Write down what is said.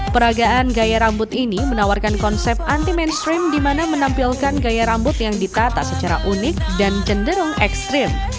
peragaan gaya rambut ini menawarkan konsep anti mainstream di mana menampilkan gaya rambut yang ditata secara unik dan cenderung ekstrim